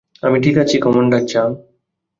আমি ঠিক আছি, কমান্ডার ঝাং।